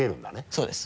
そうです。